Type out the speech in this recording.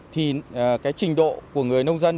thì cái trình độ của người nông dân